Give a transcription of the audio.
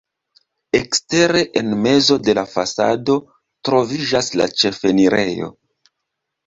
Ekstere en mezo de la fasado troviĝas la ĉefenirejo.